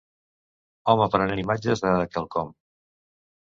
Home prenent imatges de quelcom